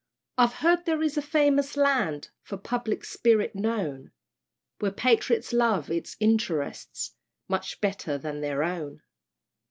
I've heard there is a famous Land For public spirit known Whose Patriots love its interests Much better than their own.